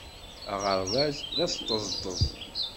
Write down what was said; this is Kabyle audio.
Aɣerbaz d asṭeẓṭeẓ.